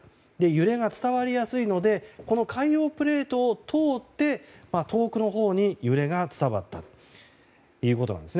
揺れが伝わりやすいのでこの海洋プレートを通って遠くのほうに揺れが伝わったということです。